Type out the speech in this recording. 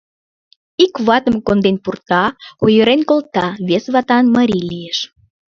Ик ватым конден пурта — ойырен колта, вес ватан марий лиеш.